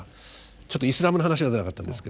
ちょっとイスラムの話が出なかったんですけども。